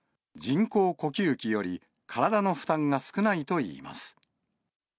人工呼吸器より体の負担が少ないといいます。